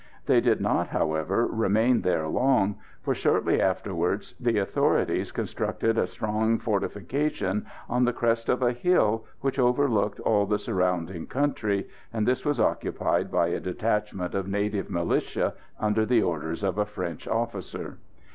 They did not, however, remain there long, for shortly afterwards the authorities constructed a strong fortification on the crest of a hill which overlooked all the surrounding country, and this was occupied by a detachment of native militia, under the orders of a French officer.